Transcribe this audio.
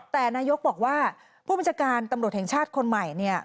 แต่นายกบอกว่าผู้บัญชาการตำรวจแห่งชาติคนใหม่